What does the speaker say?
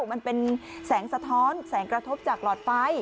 มันเป็นแสงสะท้อนแสงกระทบจากหลอดไฟ